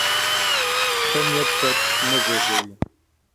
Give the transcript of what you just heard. ښه نیت بد نه زېږوي.